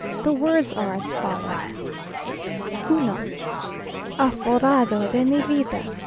The words are as follow: 1. Aforrado de mi vida!